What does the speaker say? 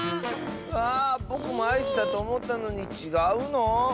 あぼくもアイスだとおもったのにちがうの？